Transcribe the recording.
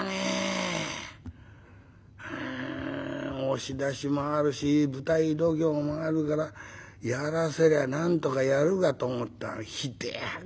押し出しもあるし舞台度胸もあるからやらせりゃなんとかやるかと思ったがひでえ判官だなあ。